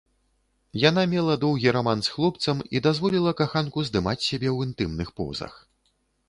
Яна мела доўгі раман з хлопцам і дазволіла каханку здымаць сябе ў інтымных позах.